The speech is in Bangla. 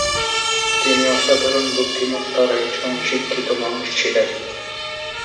তিনি অসাধারণ বুদ্ধিমত্তার একজন শিক্ষিত মানুষ ছিলেন।